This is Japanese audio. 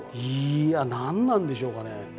いや何なんでしょうかね。